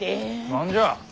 何じゃ？